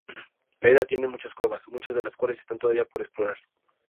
La isla tiene muchas cuevas, muchas de las cuales están todavía por explorar.